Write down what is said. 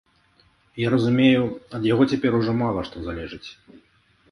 Я разумею, ад яго цяпер ужо мала што залежыць.